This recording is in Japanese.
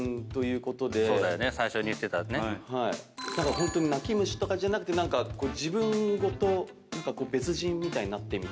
ホントに泣き虫とかじゃなくて自分ごと別人みたいになってみたい。